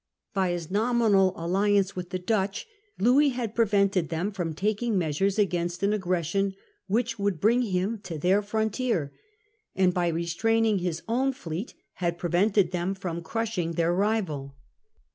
By his nominal alliance with the Dutch (p. 115) Louis had prevented them from taking measures against an aggression which would bring him to their frontier; and, by restraining his own fleet, had prevented them from crushing their rival.